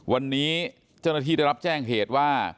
วันนี้จนดีจะรับแจ้งเหตุว่า